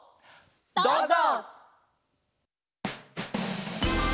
どうぞ！